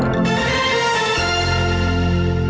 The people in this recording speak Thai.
จริงจริง